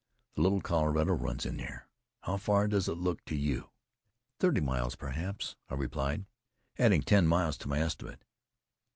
"The Little Colorado runs in there. How far does it look to you?" "Thirty miles, perhaps," I replied, adding ten miles to my estimate.